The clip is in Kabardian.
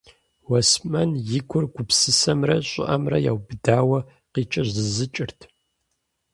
Уэсмэн и гур гупсысэмрэ щӀыӀэмрэ яубыдауэ къикӀэзызыкӀырт.